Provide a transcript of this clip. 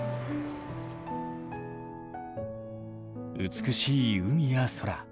美しい海や空。